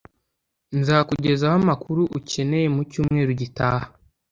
nzakugezaho amakuru ukeneye mu cyumweru gitaha